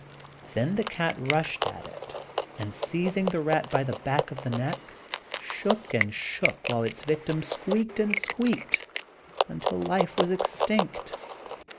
Then the cat rushed at it, and, seizing the rat by the back of the neck, shook and shook while its victim squeaked and squeaked, until life was extinct.